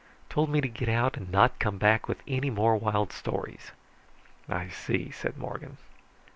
Told me to get out and not come back with any more wild stories." "I see," said Morgan.